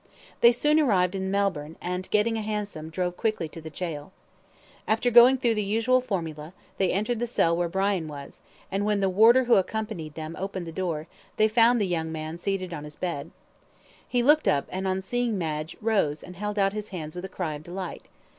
They soon arrived in Melbourne, and, getting a hansom, drove up quickly to the gaol. After going through the usual formula, they entered the cell where Brian was, and, when the warder who accompanied them opened the door, they found the young man seated on his bed. He looked up, and, on seeing Madge, rose and held out his hands with a cry of delight.